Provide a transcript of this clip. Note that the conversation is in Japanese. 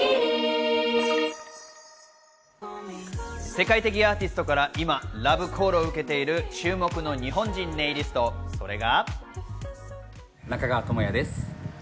世界的アーティストから今、ラブコールを受けている注目の日本人ネイリスト、それが。